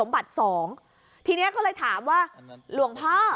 บัตรสองทีเนี้ยเขาเลยถามว่าล่วงพ่อ